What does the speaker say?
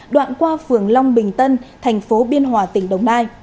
đoạn qua phường long bình tân thành phố biên hòa tỉnh đồng nai